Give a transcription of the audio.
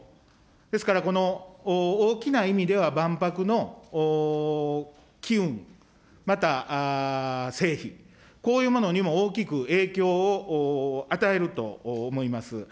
ですからこの大きな意味では、万博の機運、また成否、こういうものにも大きく影響を与えると思います。